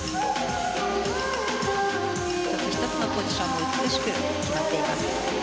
１つ１つのポジションが美しく決まっています。